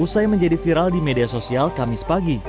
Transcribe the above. usai menjadi viral di media sosial kamis pagi